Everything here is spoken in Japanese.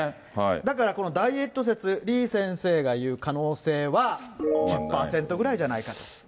だからこのダイエット説、李先生が言う可能性は１０％ぐらいじゃないかと。